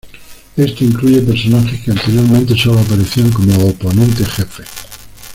Esto incluye personajes que anteriormente solo aparecían como oponentes jefes.